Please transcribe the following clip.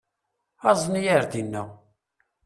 Azen-iyi ar dina.